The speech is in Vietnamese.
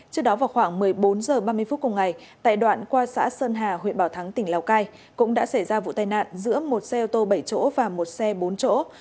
trước đó vào khoảng một mươi bốn h ba mươi phút cùng ngày tại đoạn qua xã sơn hà huyện bảo thắng tỉnh lào cai cũng đã xảy ra vụ tai nạn giữa một xe ô tô bảy chỗ và một xe bốn chỗ